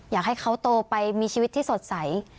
อยากให้เขาโตไปมีชีวิตที่สดใส